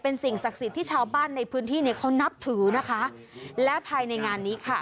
เป็นสิ่งศักดิ์สิทธิ์ที่ชาวบ้านในพื้นที่เนี่ยเขานับถือนะคะและภายในงานนี้ค่ะ